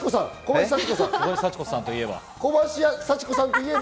小林幸子さんと言えば？